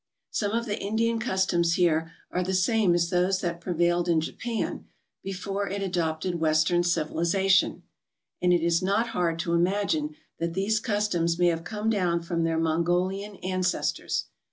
Some of the Indian customs here are the same as those that prevailed in Japan before it adopted western civiliza tion, and it is not hard to imagine that these customs may have come down from their Mongolian ancestors.